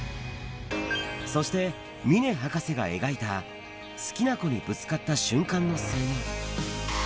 そして峰博士が描いた好きな子にぶつかった瞬間の青年。